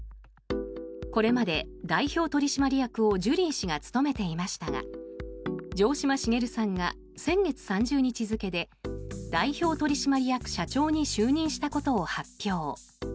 これまで代表取締役をジュリー氏が務めていましたが城島茂さんが先月３０日付で代表取締役社長に就任したことを発表。